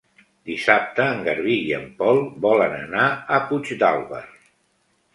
Dissabte en Garbí i en Pol volen anar a Puigdàlber.